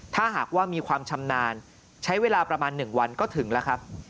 ถ้าหากว่ามีความชำนาญใช้เวลาประมาณ๑วันก็ถึงแล้วครับ